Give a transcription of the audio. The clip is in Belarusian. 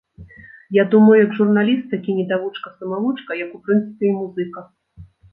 Я думаю, як журналіст, такі недавучка-самавучка, як, у прынцыпе, і музыка.